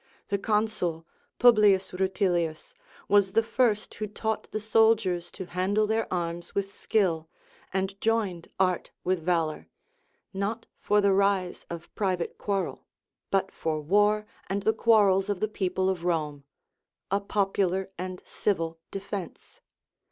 The consul, Publius Rutilius, was the first who taught the soldiers to handle their arms with skill, and joined art with valour, not for the rise of private quarrel, but for war and the quarrels of the people of Rome; a popular and civil defence.